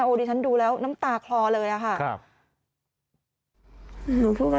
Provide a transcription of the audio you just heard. ดิฉันดูแล้วน้ำตาคลอเลยอะค่ะ